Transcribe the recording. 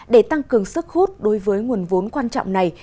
để tăng cường sức hút đối với nguồn vốn quan trọng này